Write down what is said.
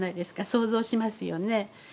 想像しますよね。